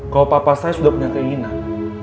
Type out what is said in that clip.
kalau papa saya sudah punya keinginan